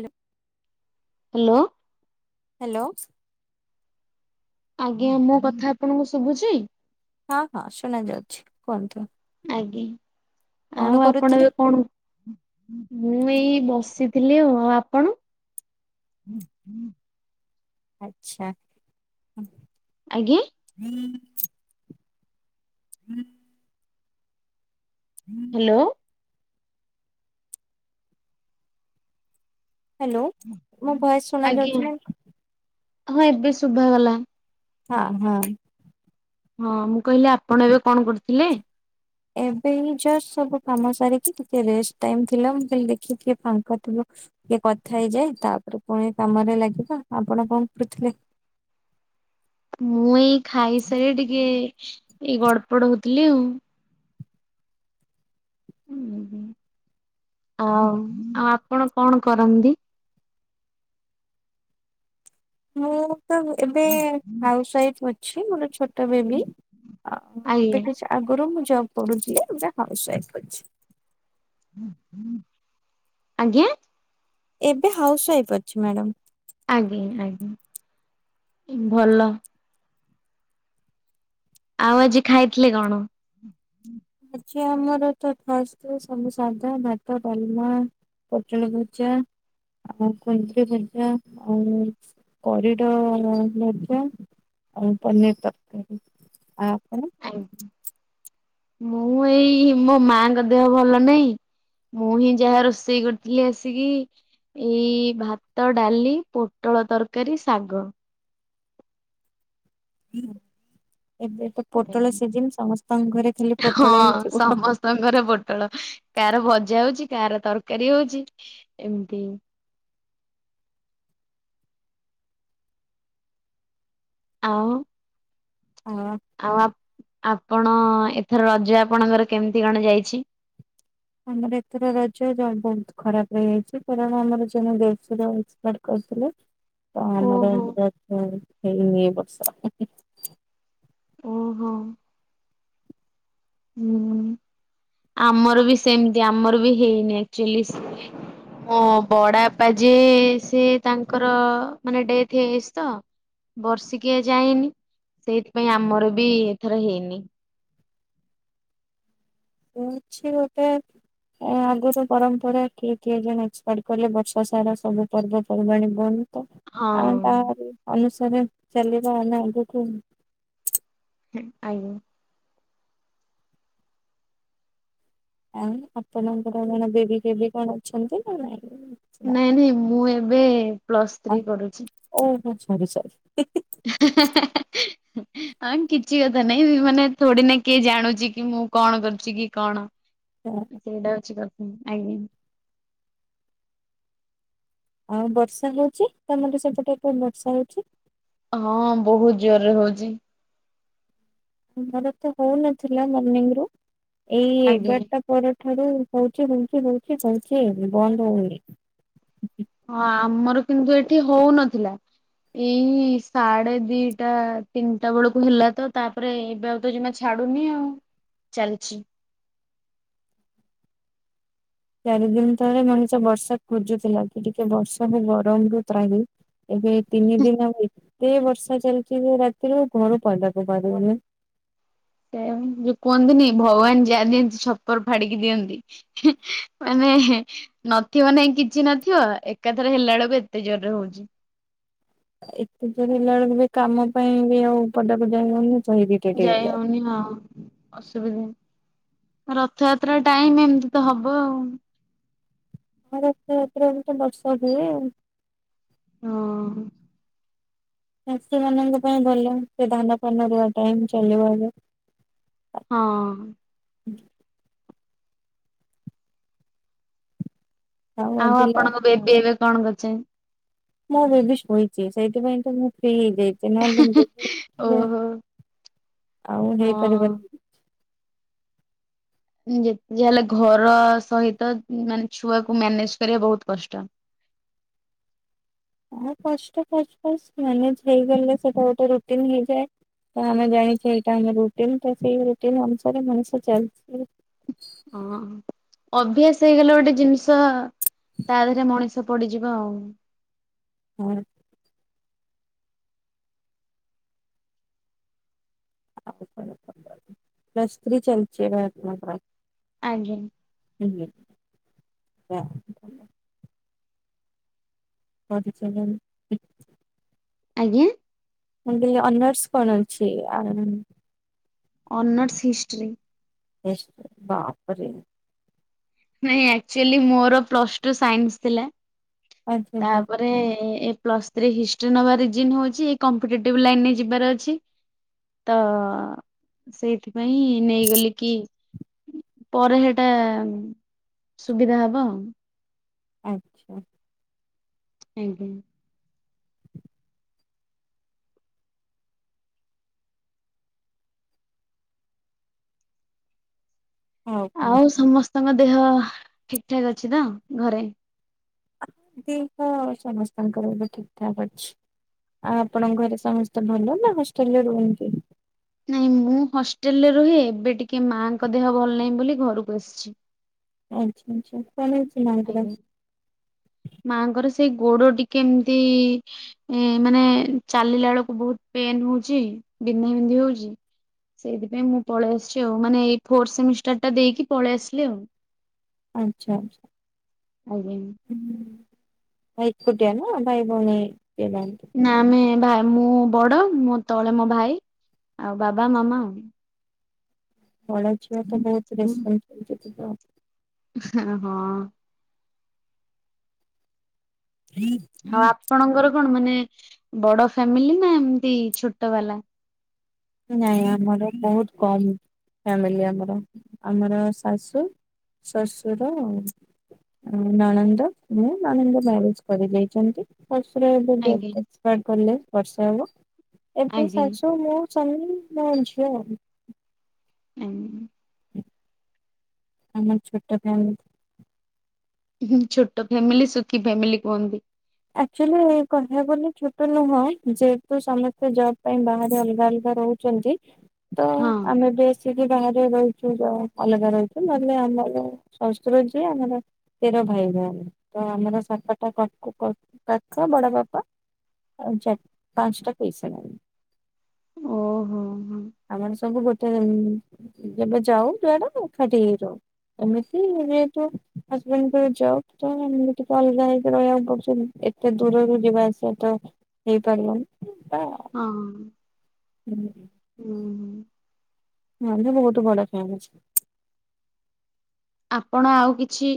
ଲୋ। Hello. Hello. ଆଜ୍ଞା ମୋ କଥା ଆପଣଙ୍କୁ ଶୁଭୁଚି? ହଁ ହଁ ଶୁଣା ଯାଉଛି କୁହନ୍ତୁ। ଆଜ୍ଞା ଆଉ କଣ ଆପଣ କରୁଥିଲେ? ଏବେ କଣ? ଥିଲି ଆଉ ଆଉ ଆପଣ? ଆଚ୍ଛା। ଆଜ୍ଞେ। ହୁଁ। ହୁଁ। ହାଲୋ। ହ୍ୟାଲୋ ମୋ ଭଏସ୍ ଶୁଣା ଆଜ୍ଞା। ଯାଉଚି ନାଁ? ହଁ ଏବେ ଶୁଭା ଗଲା। ହଁ ହଁ। ହଁ ମୁଁ କହିଲି ଆପଣ ଏବେ କଣ କରୁଥିଲେ? ଏବେ ହିଁ ଜଷ୍ଟ ସବୁ କାମ ସାରିକି ଟିକେ ରେଷ୍ଟ ଟାଇମ୍ ଥିଲା ମୁଁ କହିଲି ଦେଖିଆ ଟିକେ କିଏ ଫାଙ୍କା ଥିବ। ଟିକେ କଥା ହେଇଯାଏ ତାପରେ ପୁଣି କାମରେ ଲାଗିବ ଆପଣ କଣ କରୁଥିଲେ? ମୁଁ ଏଇ ଖାଇସାରି ଟିକେ ଏଇ ଗଡପଡ ହଉଥିଲି ଆଉ। ଆଉ ଆଉ ଆପଣ କଣ କରନ୍ତି? ମୁଁ ତ ଏବେ ହାଉସୱାଇଫ ଅଛି ଗୋଟେ ଛୋଟ ଛୋଟ ବେବି, ଆଜ୍ଞା ଏବେ କିଛି ଆଗରୁ ମୁଁ ଜବ କରୁଥିଲି ଏବେ ହାଉସ ୱଫ ଅଛି। ଆଜ୍ଞା। ଏବେ ହାଉସ ୱାଇଫ୍ ଅଛି ମ୍ୟାଡ଼ାମ। ଆଜ୍ଞା ଆଜ୍ଞା ଭଲ। ଆଉ ଆଜି ଖାଇଥିଲେ କଣ? ଆଜି ଆମର ତ ଥର୍ଷଡେ ସବୁ ସାଧା ଭାତ ଡାଲମା। ପୋଟଳ ଭଜା। ଆଉ କଞ୍ଚ ଲଜା ଆଉ କରିଡର ଲଜା। ଆଉ ପନିର ତରକାରୀ ଆଉ ଆପଣ? ଆଜ୍ଞା, ମୁଁ ଏଇ ମୋ ମାଙ୍କ ଦେହ ଭଲ ନାଇଁ। ମୁଁ ହିଁ ଯାହା ରୋଷେଇ କରିଥିଲି ଆସିକି। ଏଇ ଭାତ ଡାଲି ପୋଟଳ ତରକାରୀ ଶାଗ। ହୁଁ ଏବେ ତ ପୋଟଳ ସିଜିନ ସମସ୍ତଙ୍କ ଘରେ ଖାଲି ପୋଟଳ ହେଇଥିବ। ସମସ୍ତଙ୍କ ର ପୋଟଳ କାହାର ଭଜା ହଉଛି କାହାର ତରକାରୀ ହଉଛି ଏମିତି। ଆଉ। ହଁ। ଆଉ ଆପ୍ ଆପଣ ଏଥର ରଜ ଆପଣଙ୍କର କେମିତି କଣ ଯାଇଛି? ଆମର ଏଥର ରାଜ୍ୟ ବହୁତ୍ ଖରାପ୍ ରହିଯାଇଛି କାରଣ ଆମର ଜଣେ ଦେଶର କରିଥିଲେ ତ ଆମର ଓହୋ। ହେଇନି ଏ ବର୍ଷ। ଓହୋ। ହୁଁ ଆମର ବି ସେମିତି ଆମର ବି ହେଇନି ଆକଚୁଆଲିସ୍ ହଁ ବଡ ବାପା ଯିଏ ସେ ତାଙ୍କର ମାନେ ଡେଥ ହେଇ [unintelligible] ତ। ବର୍ଷିକିଆ ଯାଏନି ସେଇଥିପାଇଁ ଆମର ବି ଏଥର ହେଇନି। ଉଁ ଅଛି ଗୋଟେ ଏଁ ଆଗୁରୁ ପରମ୍ପରା କିଏ କିଏ ଜଣେ ଏକ୍ସପାଟ କଲେ ବର୍ଷ ସାରା ସବୁ ପର୍ବ ପର୍ବାଣୀ ବନ୍ଦ ତ ହଁ ଆଉ ତା ଅନୁସାରେ ଚାଲିବା ଆମେ ଆଗୁକୁ ହୁଁ ଆଇବୁ ଆ ଆପଣଙ୍କର କଣ ବେବି କେବି କଣ ଅଛନ୍ତି ନା ନାଇଁ? ନାଇଁ ନାଇଁ ମୁଁ ଏବେ ପ୍ଲସ୍ ଆ ଥ୍ରୀ କରୁଛି। ଓହୋ ସରି ସରି ହି ହି ହେ ହେ ହେ ହେ ହେ ହୁଁ। ହଁ କିଛି କଥା ନାଇଁ ମାନେ ଥୋଡି ନା କିଏ ଜାଣୁଚି କି ମୁଁ କଣ କରୁଚି କି କଣ ଆଜ୍ଞା। ଆଉ ବର୍ଷା ହଉଛି ତମର ସେପଟେ ପୁ ବର୍ଷା ହଉଛି ହଁ ବହୁତ ଜୋରରେ ହଉଚି। ମୋର ତ ହଉନଥିଲା ମର୍ଣ୍ଣିଙ୍ଗ ରୁ ଏଇ ଆଜ୍ଞା। ଏଗାରଟା ପରଠାରୁ ହଉଛି ହଉଚି ହଉଚି ହଉଛି ବନ୍ଦ ହଉନି। ହଁ ଆମର କିନ୍ତୁ ଏଠି ହଉନଥିଲା। ଏଇ ସାଢେ ଦିଟା ତିନିଟା ବୁଳୁକୁ ହେଲା ତ ତାପରେ ଏ ଏବେ ଆଉ ତ ଜିମା ଛାଡୁନି ଆଉ ଚାଲିଛି। ଚାରି ଦିନି ତଳେ ମଣିଷ ବର୍ଷା ଖୋଜୁଥିଲା କି ଟିକେ ବର୍ଷା ହଉ ଗରମରୁୁ ତ୍ରାହି। ଏବେ ତିନି ଦିନ ଆ ଏତେ ବର୍ଷା ଚାଲିଛି ଯେ ରାତିରୁ ଘରୁ ପାଦା କୁ ବାହାରି ହଉନି। ସେମ୍ ଯୋଉ କୁହନ୍ତିନି ଭଗବାନ ଯାହା ଦିଅନ୍ତି ଛପର ଫାଡିକି ଦିଅନ୍ତି। ହିଁ ମାନେ ନଥିବ ନାଇଁ କିଛି ନଥିବ ଏକାଥରେ ହେଲା ବେଳକୁ ଏତେ ଜୋର ରେ ହଉଚି। ଏତେ ଯୋରରେ ହେଲା ବେଳକୁ ବି କାମ ପାଇଁ ବି ଆଉ ପଦା କୁ ଯାଇ ହଉନି ଚହିବି ଯାଇ ହଉନି ହଁ। ଅସୁବି ରଥଯାତ୍ରା ଟାଇମ ଏମିତି ତ ହବ ଆଉ। ହଁ ରଥ ଯାତ୍ରା ଏମତି ତ ବର୍ଷା ହୁଏ। ହଁ। ଚାଷୀ ମାନଙ୍କ ପାଇଁ ଭଲ ସେ ଧାନ ଫାନ ରୁଆ ଟାଇ ଚାଲିବ ଏବେ। ହଁ। ଆଉ ଆଜି ଲ ଆପଣଙ୍କ ବେବି ଏବେ କଣ କରଛେ ମୁଁ ବେବି ଶୋଇଚି ସେଇଥିପାଇଁ ତ ମୁଁ [unintelligible] ନହେଲେ ଓହୋ [inaudible] ଆଉ ହଁ। ହେଇପାରିବନି। ଯେ ଯାହେଲେ ଘର ସହିତ ମାନେ ଛୁଆକୁ ମ୍ୟାନେଜ କରିବା ବହୁତ କଷ୍ଟ। ହଁ କଷ୍ଟ ଫାଷ୍ଟ ଫାଷ୍ଟ ମ୍ୟାନେଜ ହେଇଗଲେ ସେଟା ଗୋଟେ ରୋଟିନ ହେଇଯାଏ। ତ ଆମେ ଜାଣିଛେ ଏଇଟା ଆମ ରୁଟିନ ତ ସେଇ ରୁଟିନ ଅନୁସାରେ ମଣିଷ ଚାଲିଛି। ହଁ। ଅଭ୍ୟାସ ହେଇଗଲା ଗୋଟେ ଜିନିଷ ତା ଧେରେ ମଣିଷ ପଡିଯିବ ଆଉ। ହଁ। ପ୍ଲୁସ ଥ୍ରୀ ଚାଲଛି ଏବେ ଆପଣଙ୍କର? ଆଜ୍ଞା। ହୁଁ [unintelligible] ହଉଚି ଚଳାନ୍ତ ଆଜ୍ଞା। ମୁ ମୋର ଅନର୍ସ କଣ ଅଛି ଆ ଅନର୍ସ ହିଷ୍ଟ୍ରି। ହିଷ୍ଟ୍ରି ବାପରେ ନାଇଁ ଆକ୍ଚୁଆଲି ମୋର ପ୍ଲସ ଟୁ ସାଇନ୍ସ ଥିଲା ଆଚ୍ଛା ଆଚ୍ଛା ତାପରେ ପ୍ଲସ ଥ୍ରି ହିଷ୍ଟି ନବାଜି ହଉଛି କମ୍ପିଟେଟିଭ ଲାଇନ ରେ ଯିବାର ଅଛି। ତ ସେଇଥିପାଇଁ ନେଇଗଲି କି ପରେ ସେଟା ସୁବିଧା ହବ ଆଉ ଆଜ୍ଞା। ଆଜ୍ଞା। ଆଉ ସମସ୍ତଙ୍କ ଦେହ ଠିକ ଠାକ ଅଛି ତ ଘରେ? ଦେହ ସମସ୍ତଙ୍କର ବି ଠିକ୍ ଠାକ ଅଛି। ଆଉ ଆପଣଙ୍କ ଘରେ ସମସ୍ତେ ଭଲ ନା ହଷ୍ଟେଲରେ ରୁହନ୍ତି। ନାଇଁ ମୁଁ ହଷ୍ଟେଲରେ ରୁହେ ଏବେ ଟିକେ ମାଙ୍କ ଦେହ ଭଲ ନାହିଁ ବୋଲି ଘରକୁ ଆସିଛି। ଆଚ୍ଛା ଆଚ୍ଛା କେ ଆଜ୍ଞା ମାଆଙ୍କର ସେଇ ଗୋଡଟି କେମିତି ଏ ମାନେ ଚାଲିଲା ବେଳକୁ ବହୁତ ପେନ୍ ହଉଚି ବିନ୍ଧା ବିନ୍ଧି ହଉଛି। ସେଇଥିପାଇଁ ମୁଁ ପଳେଇ ଆସିଛି ଆଉ ମାନେ ଏଇ ଫୋର୍ଥ ସେମିଷ୍ଟାରଟା ଦେଇକି ପଳେଇ ଆସିଲି ଆଉ। ଆଚ୍ଛା। ଆଜ୍ଞା। ଭାଇ ଏକୁଟିଆ ନା ଭାଇ ଭଉଣୀ ଯଦି। ନା ଆମେ ଭାଇ ମୁଁ ବଡ ମୁଁ ତଳେ ମୋ ଭାଇ ଆଉ ବାବା ମାମା ଆଉ ବଡ ଝିଅ ତ ବହୁତ ହଁ ରେସ୍ପନ୍ସିବଲଟି ଥିବ। ହଁ। ହ ଆଉ ଆପଣଙ୍କର କଣ ମାନେ ବଡ ଫ୍ୟାମିଲି ନା ଏମତି ଛୋଟ ବାଲା? ନାଇଁ ଆମର ବହୁତ କମ ଫ୍ୟାମିଲି ଆମର ଆମର ଶାଶୁ ଶଶୁର। ନଣନ୍ଦ ମୁଁ ନଣନ୍ଦ ମ୍ୟାରେଜ କରିଦେଇଛନ୍ତି। ଶଶୁର ଏବେ ଆଜ୍ଞା ଜଷ୍ଟ ଏକ୍ସପାଇଡ ବର୍ଷ ହବ ଏବେ ଆଜ୍ଞା ସାଶୁ ମୁଁ [inaudible] ହୁଁ। ଆମର ଛୋଟ ଫ୍ୟାମିଲି। ହୁଁ ଛୋଟ ଫ୍ୟାମିଲି ସୁଖି ଫ୍ୟାମିଲି କୁହନ୍ତି। ଆକଚୁଆଲି କହିବାକୁ ଗଲେ ଛୋଟ ନୁହେ ଯେହେତୁ ସମସ୍ତେ ଜବ ପାଇଁ ବାହାରେ ଅ ରହୁଛନ୍ତି। ହଁ। ବେଶିକି ବାହାରେ ରହୁଛୁ ଅଲଗା ରହୁଛୁ ନହେଲେ ଆମର ଶଶୁର ଯିଏ ଆମର ତେର ଭାଇ ଭଉଣି ତ ଆମର [inaudible] କ ବଡ ବାପା ପାଞ୍ଚଟା ଚାର ପାଞ୍ଚଟା ପିଇସୀ ନାନୀ। ଓହୋ ହୋ। ଆମର ସବୁ ଗୋଟେ ଯେବେ ଯାଉ ଯୁଆଡା ଖାଠ ହେଇ ରହୁ ଏମିତି ଯେହେତୁ ହଜବେଣ୍ଡଙ୍କର ଜବ ତ ଏମତି ଟିକେ ଅଲଗା ହେଇକି ରହିବାକୁ ପଡୁଛନ୍ତି। ଏତେ ଦୂରରୁ ଯିବା ଆସିବା ତ ହେଇପାରିବନି। ହଁ। ହୁଁଁ। ହୁଁ ହ। ମୋର ବି ବହୁତ ବଡ଼ ଫୋନ ଅଛି। ଆପଣ ଆଉ କିଛି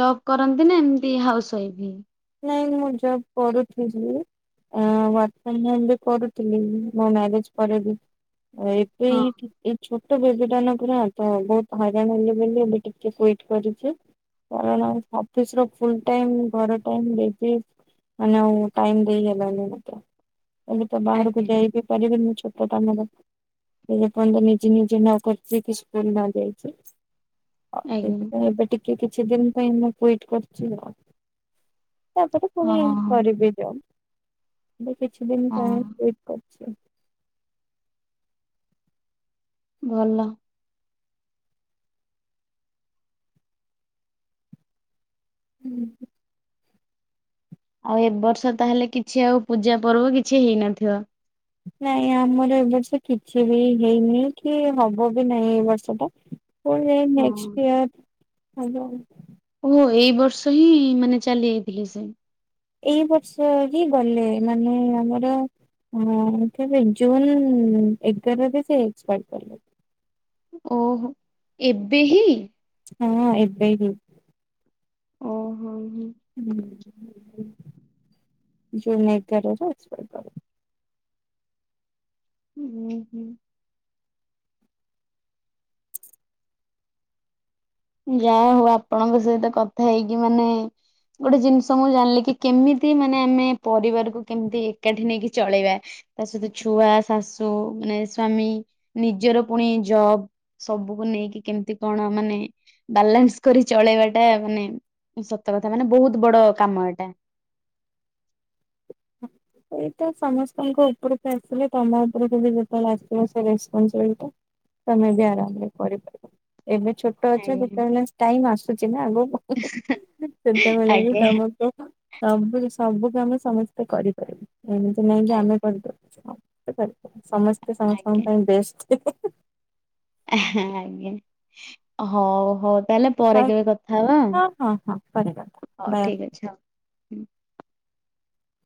ଜବ୍ କରନ୍ତି ନା ଏମତି ହାଉସ ୱାଇଫ୍? ନାଇଁ ମୁଁ ଜବ୍ କରୁଥିଲି। ଅ ବର୍ତ୍ତମାନ ବି କରୁଥିଲି ମୋ ମ୍ୟାରେଜ ପରେ ବି। ଆ ଏବେ ହଁ ଏଇଠି ଏଇ ଛୋ ଟ ବିଟାନ ପୁରା ତ ବହୁତ ହଇରାଣ ହେଲେ ବୋଲି ଏବେ ଟିରେ ସ୍ବିଟ୍ କରୁଛି। କାରଣ ଅଫିସ ର ଫୁଲ ଟାଇମ୍ ଘର ଟାଇମ୍ ଦେବି, ମାନେ ଆଉ ଟାଇମ ଦେଇ ହେଲାନି ମତେ। ଏବେ ତ ବାହାରକୁ ଆଜ୍ଞା। ଯାଇ ବିି ପାରିବିନି ଛୋଟ କାମର। ଲୋକମାନେ ତ ନିଜେ ନିଜେ ନ କରିଛି କି ସ୍କୁଲ ନ ଯାଇକି। ହଉ ଆଜ୍ଞା ସେଇଥିପାଇଁ ଏବେ ଟିକେ କିଛି ଦିନ ପାଇଁ ମୁଁ କ୍ବିଟ କରିଛି ଆଉ। ତାପରେ ପୁଣି ହଁ ହଁ କରିବି ଜବ୍। ଏବେ କିଛି ଦିନ ହଁ ପାଇଁ କ୍ବିଟ୍ କରିଛି। ଭଲ। ହୁଁ [inaudible] ଆଉ ଏ ବର୍ଷ ତାହେଲେ କିଛି ଆଉ ପୂଜା ପର୍ବ କିଛି ହେଇନଥିବ? ନାଇଁ ଆମର ଏ ବର୍ଷ କିଛି ବି ହେଇନି କି ହବ ବି ନାଇଁ ଏଇ ବର୍ଷ ଟା। ହଉ ହେଇ ହଁ। ନେକ୍ସଟ୍ ଇୟର ହବ ଆଉ। ଓହୋ ଏଇ ବର୍ଷ ହିଁ ମାନେ ଚାଲି ଯାଇଥିଲି ସେ? ଏଇ ବର୍ଷ ହିଁ ଗଲେ ମାନେ ଆମର ହଁ କେବେ, ଜୁନ୍ ଏଗାର ସେ ଏକ୍ସପାର୍ କଲେ। ଓହୋ। ଏବେ ହିଁ! ହଁ ଏବେ ହିଁ। ଓହୋ ହଉ। ଜୁନ୍ ଏଗାରରେ ଅଛି। ଉଁ ହୁଁ। ଯାହା ହଉ ଆପଣଙ୍କ ସହିତ କଥା ହେଇକି ମାନେ ଗୋଟେ ଜିନିଷ ମୁଁ ଜାଣିଲି କି, କେମିତି ମାନେ ଆମେ ପରିବାରକୁ କେମିତି ଏକାଠି ନେଇକି ଚଳେଇବା? ତା ସହିତ ଛୁଆ, ଶାଶୁ ମାନେ ସ୍ଵାମୀ ନିଜର ପୁଣି ଜବ୍। ସବୁକୁ ନେଇକି କେମିତି କଣ ମାନେ ବାଲାନ୍ସ କରି ଚଳେଇବା ଟା ମାନେ ସତ କଥା ମାନେ ବହୁତ ବଡ଼ କାମ ଏଟା। [inaudible] ଏଇଟା ସମସ୍ତଙ୍କ ଉପର ତ ଆସିଲେ ତମ ଉପରେ ଯଦି ଯେତେବେଳେ ଆସିବ ସେ ରେସ୍ପନସିବିଲଟା ତମ ବି ଆରାମରେ କରି ପାରିବ। ଏବେ ଛୋ ଟ ଅଛ ଆଜ୍ଞା ଯେତେବେଳେ ଟାଇମ୍ ଆସୁଛି ନା ଆଗ ସେତେବେଳେ ବି ଆଜ୍ଞା ତମକୁ ସବୁ ସବୁ ଆମେ ସମସ୍ତେ କରିପାରିବୁ ଏମିତି ନାଇଁ କି ଆମେ କରିଦଛୁ। ହଁ। ସମସ୍ତେ ସାଙ୍ଗେ ସାଙ୍ଗ ଆଜ୍ଞା ପାଇଁ ବେଷ୍ଟ ଆଜ୍ଞା। ହଉ ହଉ ତାହେଲେ ପରେ ହଁ କେବେ କଥା ହବା ଆଉ। ହଁ ହଁ କରିବା ହଉ ବାଏ ଠିକ୍ ଅଛି ହଉ।